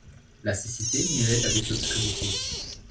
La cécité muette avec l’obscurité.